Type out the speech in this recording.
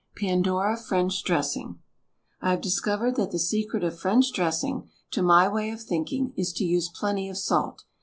PANDORA FRENCH DRESSING I have discovered that the secret of French dressing, to my way of thinking, is to use plenty of salt.